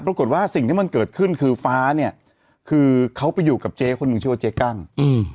ปรากฏว่าสิ่งที่มันเกิดขึ้นคือฟ้าเนี่ยคือเขาไปอยู่กับเจ๊คนหนึ่งชื่อว่าเจ๊กั้งอืม